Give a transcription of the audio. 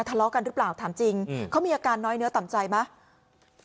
ทะเลาะกันหรือเปล่าถามจริงเขามีอาการน้อยเนื้อต่ำใจไหม